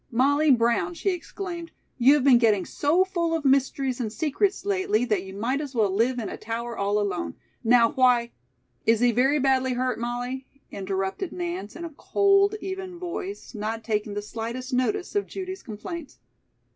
"Molly Brown," she exclaimed, "you have been getting so full of mysteries and secrets lately that you might as well live in a tower all alone. Now, why " "Is he very badly hurt, Molly?" interrupted Nance in a cold, even voice, not taking the slightest notice of Judy's complaints.